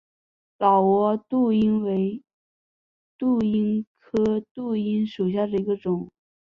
老挝杜英为杜英科杜英属下的一个种。